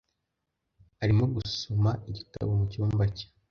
Arimo gusoma igitabo mucyumba cye .